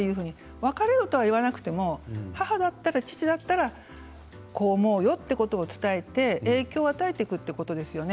別れろとは言わなくても母だったら、父だったらこう思うよということを伝えて影響を与えていくということです。